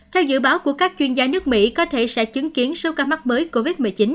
theo dự báo của các chuyên gia nước mỹ có thể sẽ chứng kiến số ca mắc mới covid một mươi chín